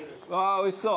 おいしそう。